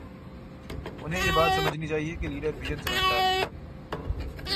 انہیں یہ بات سمجھنی چاہیے کہ لیڈر وژن سے بنتا ہے۔